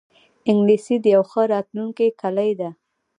انګلیسي د یوی ښه راتلونکې کلۍ ده